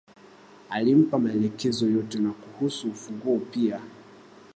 Alimpa maelekezo yote na kuhusu funguo pia